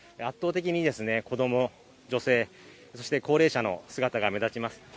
圧倒的に子供、女性、そして高齢者の姿が目立ちます。